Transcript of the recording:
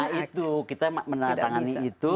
nah itu kita menandatangani itu